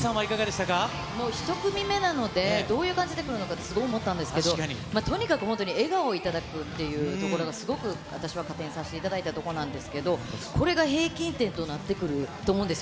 もう１組目なので、どういう感じでくるのかって、すごい思ったんですけど、とにかく本当に笑顔を頂くというところがすごく私は加点させていただいたとこなんですけど、これが平均点となってくると思う